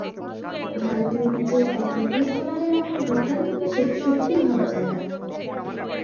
ভারতীয় পিচে একজন পেস বোলারের এমন দুর্দান্ত অভিষেক সত্যিই ভাবা যায় না।